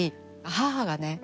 母がね